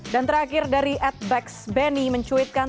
dan terakhir dari ed becks benny mencuitkan